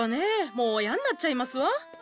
もうやんなっちゃいますわ。